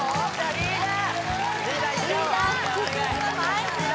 リーダー！